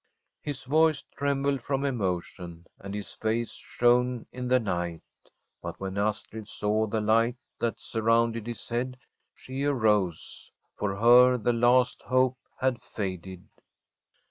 His voice trembled from emotion, and his face shone in the night. But when Astrid saw the light that surrounded his head, she arose. For her the last hope had faded.